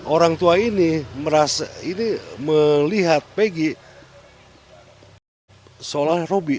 orang tua ini melihat peggy seolah robby